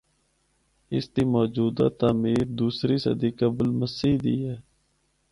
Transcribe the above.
اس دی موجودہ تعمیر دوسری صدی قبل مسیح دی ہے۔